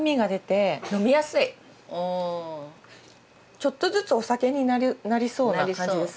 ちょっとずつお酒になりそうな感じです。